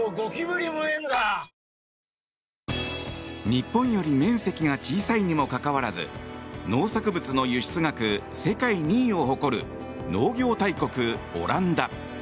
日本より面積が小さいにもかかわらず農作物の輸出額世界２位を誇る農業大国オランダ。